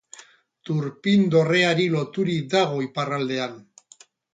Turpin dorreari loturik dago iparraldean.